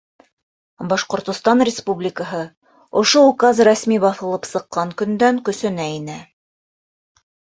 Башҡортостан Республикаһы Ошо Указ рәсми баҫылып сыҡҡан көндән көсөнә инә.